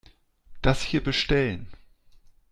Das hier bestellen.